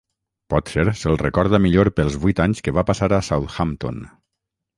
Potser se'l recorda millor pels vuit anys que va passar a Southampton.